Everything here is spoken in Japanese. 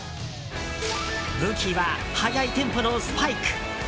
武器は速いテンポのスパイク！